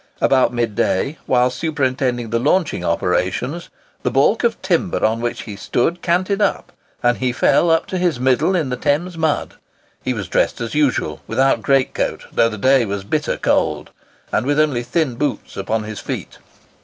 About midday, while superintending the launching operations, the baulk of timber on which he stood canted up, and he fell up to his middle in the Thames mud. He was dressed as usual, without great coat (though the day was bitter cold), and with only thin boots upon his feet.